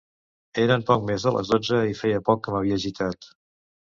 Eren poc més de les dotze i feia poc que m'havia gitat.